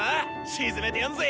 沈めてやんぜ！